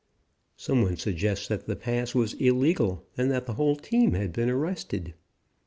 Some one suggests that the pass was illegal and that the whole team has been arrested.